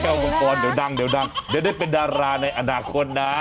กลัวแก้วก่อนเดี๋ยวดังเดี๋ยวได้เป็นดาราในอนาคตนะ